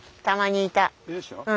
たまにいた。